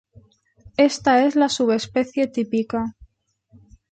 Esta es la subespecie típica.